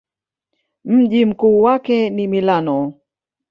Mji mkuu wake ni Milano.